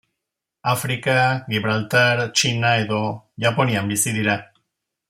Afrika, Gibraltar, Txina edo Japonian bizi dira.